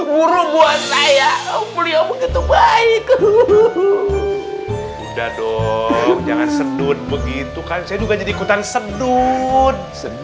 burung buat saya beliau begitu baik udah dong jangan sendut begitu kan saya juga jadi ikutan sendut sendu